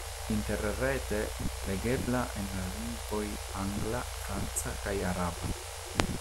Interrete legebla en la lingvoj angla, franca kaj araba.